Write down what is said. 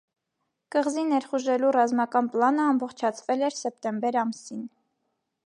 Կղզի ներխուժելու ռազմական պլանը ամբողջացվել էր սեպտեմբեր ամսին։